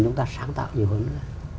chúng ta sáng tạo nhiều hơn nữa